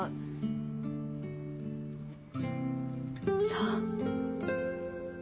そう。